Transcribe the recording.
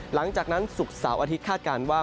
หลังจากนั้นสุกสัวนอาทิตย์คาดการณ์ว่า